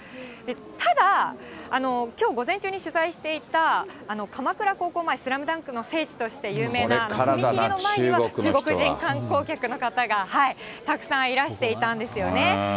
ただ、きょう午前中に取材していた鎌倉高校前、スラムダンクの聖地として有名な踏切の前には、中国人観光客の方がたくさんいらしていたんですよね。